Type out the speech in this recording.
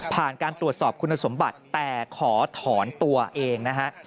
การตรวจสอบคุณสมบัติแต่ขอถอนตัวเองนะฮะ